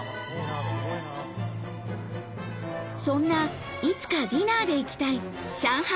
そんな、いつかディナーで行きたい上海